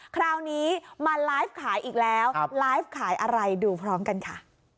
คราวนี้มาไลฟ์ขายอีกแล้วไลฟ์ขายอะไรดูพร้อมกันค่ะ